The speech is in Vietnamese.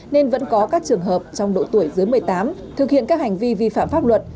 nên vẫn có các trường hợp trong độ tuổi dưới một mươi tám thực hiện các hành vi vi phạm pháp luật